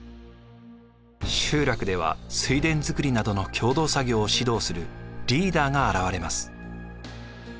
集落では水田作りなどの共同作業を指導するリーダーが現れます。